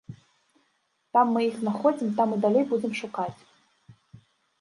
Там мы іх знаходзім, там і далей будзем шукаць.